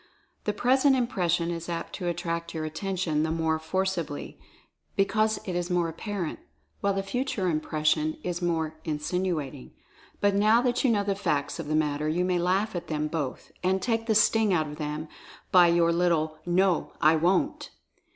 The present im pression is apt to attract your attention the more forci bly, because it is more apparent — while the Future Impression is more "insinuating." But now that you know the facts of the matter you may laugh at them both, and take the sting out of them by your little "No, I Wont"!